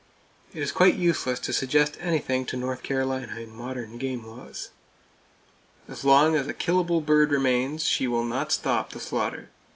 It is quite useless to suggest anything to North Carolina in modern game laws. As long as a killable bird remains, she will not stop the slaughter.